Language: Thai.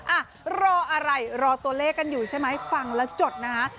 อ่ะรออะไรรอตัวเลขกันอยู่ใช่ไหมฟังแล้วจดนะฮะ